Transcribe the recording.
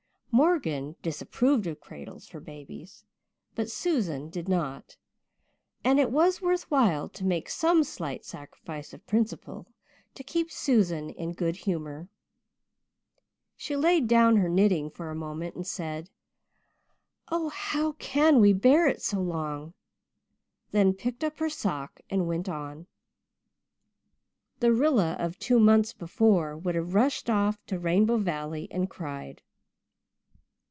Morgan disapproved of cradles for babies but Susan did not, and it was worth while to make some slight sacrifice of principle to keep Susan in good humour. She laid down her knitting for a moment and said, "Oh, how can we bear it so long?" then picked up her sock and went on. The Rilla of two months before would have rushed off to Rainbow Valley and cried.